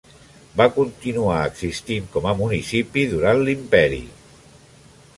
Va continuar existint com a municipi durant l'imperi.